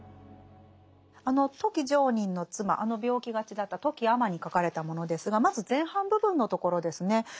あの富木常忍の妻あの病気がちだった富木尼に書かれたものですがまず前半部分のところですね。